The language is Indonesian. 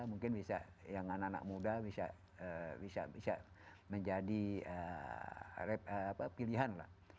mungkin bisa yang anak anak muda bisa menjadi pilihan lah